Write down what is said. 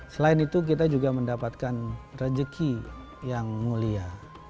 selain itu kita juga mendapatkan rezeki yang mulia